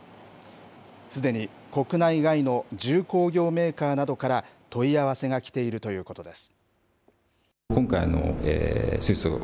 すでに国内外の重工業メーカーなどから問い合わせが来ているということです。